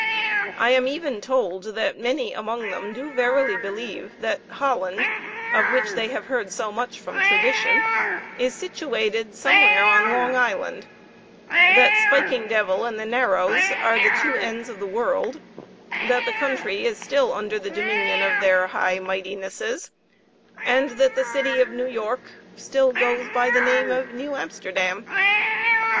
I am even told that many among them do verily believe that Holland, of which they have heard so much from tradition, is situated somewhere on Long Island; that Spiking devil and the Narrows are the two ends of the world; that the country is still under the dominion of their High Mightinesses, and that the city of New York still goes by the name of Nieuw Amsterdam.